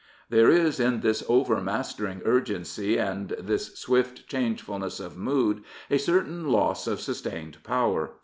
There is in this overmastering urgency and this swift changefulness of mood a certain loss of sustained power.